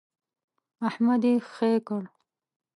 احمد يې خې کړ.